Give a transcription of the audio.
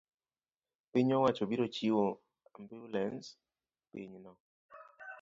piny owacho biro chiwo ambulans e pinyno